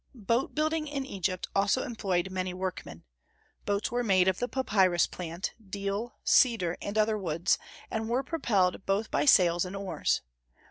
Boat building in Egypt also employed many workmen. Boats were made of the papyrus plant, deal, cedar, and other woods, and were propelled both by sails and oars.